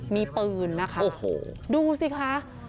มีปืนนะคะดูสิคะ